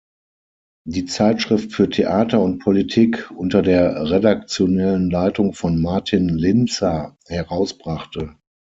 Die Zeitschrift für Theater und Politik“ unter der redaktionellen Leitung von Martin Linzer herausbrachte.